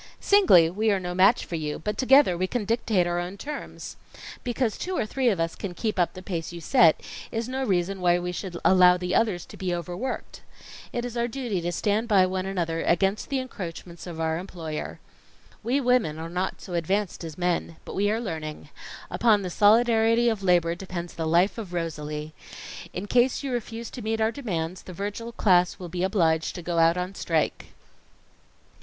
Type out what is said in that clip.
Singly, we are no match for you, but together, we can dictate our own terms. Because two or three of us can keep up the pace you set, is no reason why we should allow the others to be overworked. It is our duty to stand by one another against the encroachments of our employer. We women are not so advanced as men. But we are learning. Upon the solidarity of labor depends the life of Rosalie. In case you refuse to meet our demands, the Virgil class will be obliged to go out on strike."